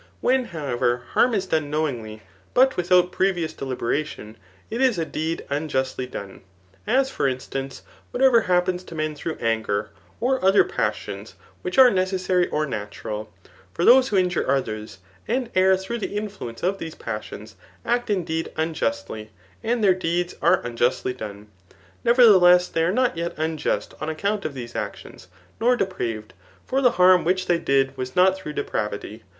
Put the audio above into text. When, however, harm is done knowingly, but without previous deliberation, it is a deed unjustly done ; as for instancy whatever happens to men through anger, or other pas sions which are necessary or natural. For those who injure others, and err through the influence of these pas isions, act indeed unjustly, and their deeds are unju^y done } nevertheless they are not yet unjust on account of these actions, nor depraved; for the harm which they did was not through depravity.